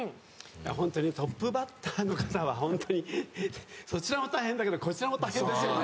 ホントにトップバッターの方はそちらも大変だけどこちらも大変ですよね。